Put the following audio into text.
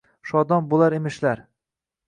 Shodon bo’lar emishlar.